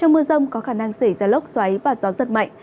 trong mưa rông có khả năng xảy ra lốc xoáy và gió giật mạnh